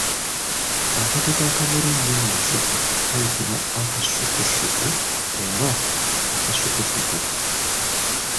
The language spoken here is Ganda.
Akatiko akamera ennyo mu lusuku kayitibwa akassukussuku oba akasukusuku.